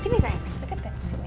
sini sayang deket kan